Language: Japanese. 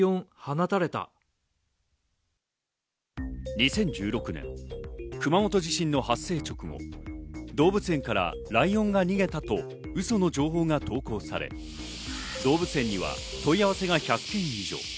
２０１６年、熊本地震の発生直後、動物園からライオンが逃げたと嘘の情報が投稿され、動物園には問い合わせが１００件以上。